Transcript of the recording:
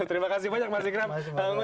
terima kasih banyak mas ikram